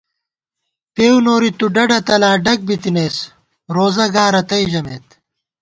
پېؤ نوری تُو ڈڈہ تلا ، ڈگ بِتَنَئیس روزہ گا رتئ ژمېت